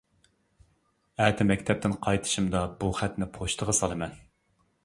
ئەتە مەكتەپتىن قايتىشىمدا بۇ خەتنى پوچتىغا سالىمەن.